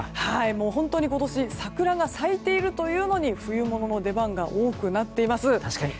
本当に今年桜が咲いているというのに冬物の出番が多くなっています。